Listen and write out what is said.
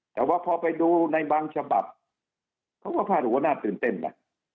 แต่ว่าพอไปดูในบางฉบับเพราะว่ามันน่าตื่นเต้นนะ